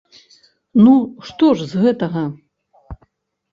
Ну, што ж з гэтага?